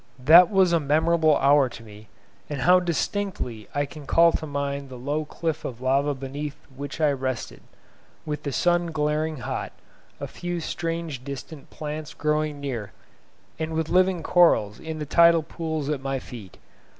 That was a memorable hour to me, and how distinctly I can call to mind the low cliff of lava beneath which I rested, with the sun glaring hot, a few strange desert plants growing near, and with living corals in the tidal pools at my feet.